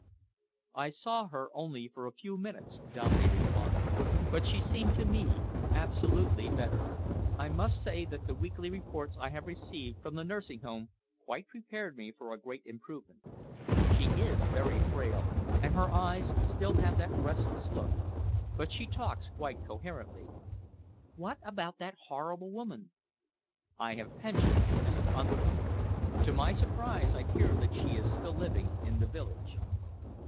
"I saw her only for a few minutes," Dominey replied, "but she seemed to me absolutely better. I must say that the weekly reports I have received from the nursing home quite prepared me for a great improvement. She is very frail, and her eyes still have that restless look, but she talks quite coherently." "What about that horrible woman?" "I have pensioned Mrs. Unthank. To my surprise I hear that she is still living in the village."